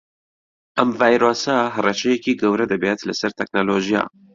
ئەم ڤایرۆسە هەڕەشەیەکی گەورە دەبێت لەسەر تەکنەلۆژیا